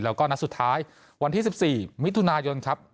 แล้วก็นัดสุดท้ายวันที่๑๔มิถุนายนครับ